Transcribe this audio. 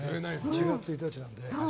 １月１日なので。